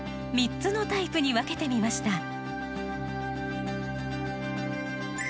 ３つのタイプに分けてみました。